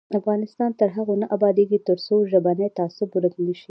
افغانستان تر هغو نه ابادیږي، ترڅو ژبنی تعصب ورک نشي.